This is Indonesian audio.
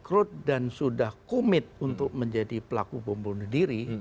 menurut dan sudah komit untuk menjadi pelaku pembunuh diri